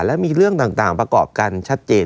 และมีเรื่องต่างประกอบกันชัดเจน